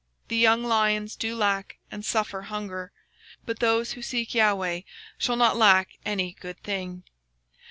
The young lions do lack, and suffer hunger: But they that seek the LORD shall not want any good thing.